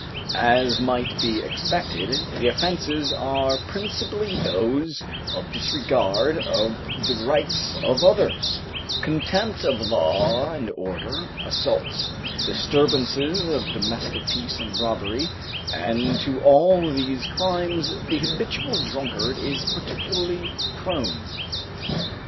As might be expected, the offenses are principally those of disregard of the rights of others, contempt of law and order, assault, disturbances of domestic peace and robbery, and to all these crimes the habitual drunkard is particularly prone.